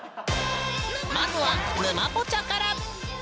まずは「ぬまポチャ」から。